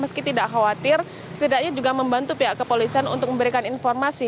meski tidak khawatir setidaknya juga membantu pihak kepolisian untuk memberikan informasi